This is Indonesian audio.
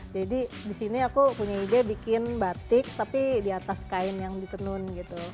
jadi disini aku punya ide bikin batik tapi di atas kain yang di tenun gitu